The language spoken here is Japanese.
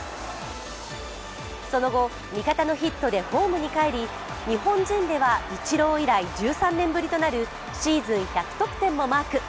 その後、味方のヒットでホームに帰り、日本人ではイチロー以来１３年ぶりとなるシーズン１００得点もマーク。